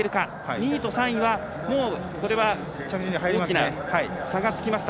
２位と３位は、これは大きな差がつきました。